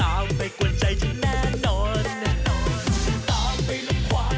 เออไปเอามา